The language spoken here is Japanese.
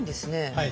はい。